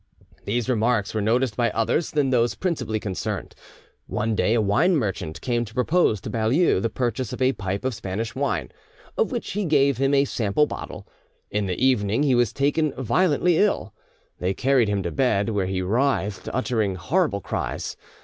These remarks were noticed by others than those principally concerned. One day a wine merchant came to propose to Baulieu the purchase of a pipe of Spanish wine, of which he gave him a sample bottle; in the evening he was taken violently ill. They carried him to bed, where he writhed, uttering horrible cries.